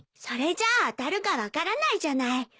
それじゃあ当たるか分からないじゃない。